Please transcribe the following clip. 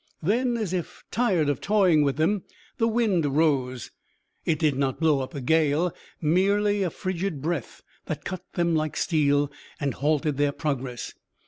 Then, as if tired of toying with them, the wind rose. It did not blow up a gale merely a frigid breath that cut them like steel and halted their progress.